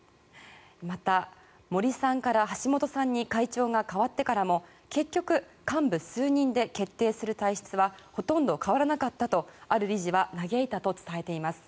また、森さんから橋本さんに会長が代わってからも結局、幹部数人で決定する体質はほとんど変わらなかったとある理事は嘆いたと伝えています。